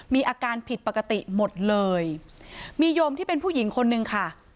มีอาการผิดปกติหมดเลยมีโยมที่เป็นผู้หญิงคนนึงค่ะ